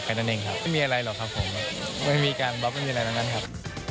แค่นั้นเองครับไม่มีอะไรหรอกครับผมไม่มีการบ๊อบไม่มีอะไรเหมือนกันครับ